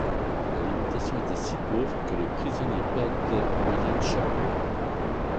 L'alimentation était si pauvre que les prisonniers perdaient en moyenne chaque mois.